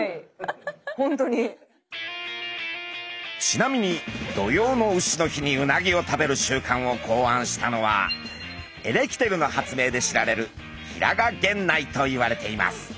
ちなみに土用の丑の日にうなぎを食べる習慣を考案したのはエレキテルの発明で知られる平賀源内といわれています。